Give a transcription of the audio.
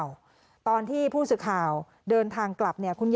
ยายไปทำอะไรได้ตามไม่เห็นเลย